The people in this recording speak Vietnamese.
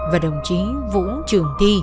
và đồng chí vũ trường thi